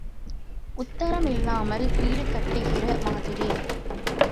உத்தரம் இல்லாமல் வீடு கட்டுகிற மாதிரி.